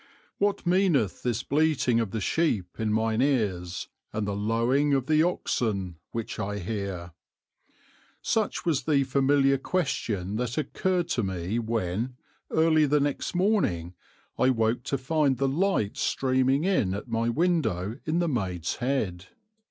"What meaneth this bleating of the sheep in mine ears and the lowing of the oxen which I hear?" Such was the familiar question that occurred to me when, early the next morning, I woke to find the light streaming in at my window in the "Maid's Head."